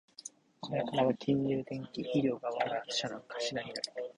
これからは金融、電機、医療が我が社の柱になる